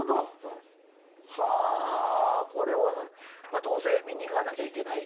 まあどうせ観に行かなきゃいけない。